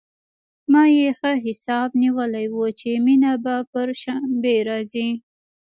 ما يې ښه حساب نيولى و چې مينه به پر شنبه راځي.